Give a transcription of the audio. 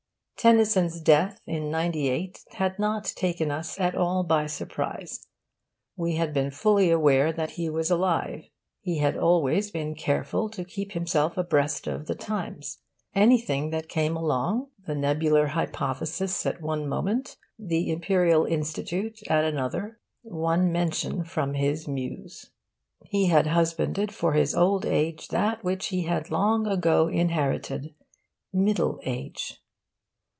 Tennyson's death in '98 had not taken us at all by surprise. We had been fully aware that he was alive. He had always been careful to keep himself abreast of the times. Anything that came along the Nebular Hypothesis at one moment, the Imperial Institute at another won mention from his Muse. He had husbanded for his old age that which he had long ago inherited: middle age.